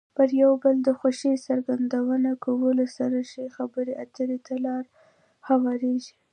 پر یو بل د خوښۍ څرګندونه کولو سره ښې خبرې اترې ته لار هوارېږي.